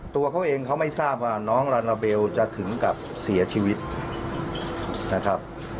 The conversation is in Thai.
ตัวเขาเองเขาไม่ทราบว่าน้องลาลาเบลจะถึงกับเสียชีวิตนะครับ